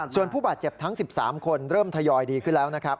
ส่วนผู้บาดเจ็บทั้ง๑๓คนเริ่มทยอยดีขึ้นแล้วนะครับ